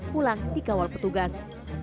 pulang di kawal petugas